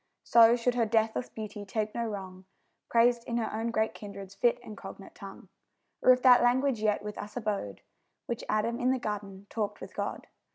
So should her deathless beauty take no wrong, Praised in her own great kindred's fit and cognate tongue. Or if that language yet with us abode Which Adam in the garden talked with God!